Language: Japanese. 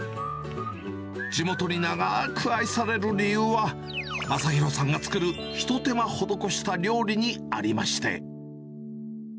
地元に長く愛される理由は、まさひろさんが作るひと手間施した料理にありまして。